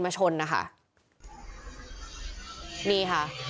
ชนนะคะนี่ค่ะ